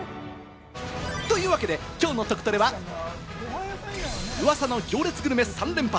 というわけで、きょうのトクトレはうわさの行列グルメ３連発。